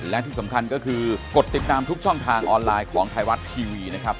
และที่สำคัญก็คือกดติดตามทุกช่องทางออนไลน์ของไทยรัฐทีวีนะครับ